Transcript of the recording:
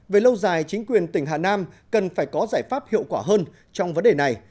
về lâu dài chính quyền tỉnh hà nam cần phải có giải pháp hiệu quả hơn trong vấn đề này